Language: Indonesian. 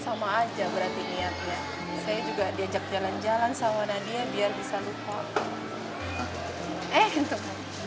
saya juga diajak jalan jalan sama wanadinya biar bisa lupa